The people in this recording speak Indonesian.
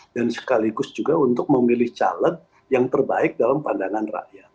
dan sekaligus juga untuk memilih caleg yang terbaik dalam pandangan rakyat